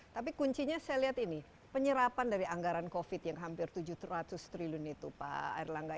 tapi kuncinya saya lihat ini penyerapan dari anggaran covid yang hampir tujuh ratus triliun itu pak erlangga